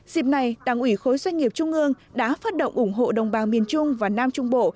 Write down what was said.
dịp này đảng ủy khối doanh nghiệp trung ương đã phát động ủng hộ đồng bào miền trung và nam trung bộ